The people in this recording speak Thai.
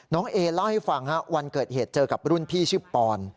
เอเล่าให้ฟังวันเกิดเหตุเจอกับรุ่นพี่ชื่อปอน